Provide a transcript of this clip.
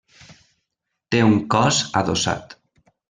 Té un cos adossat.